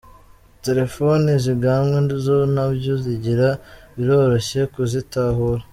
Telefoni ziganwe zo ntabyo zigira, biroroshye kuzitahura.